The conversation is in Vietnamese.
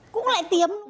cũng lại tiếm